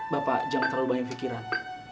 bapak jangan terlalu banyak pikiran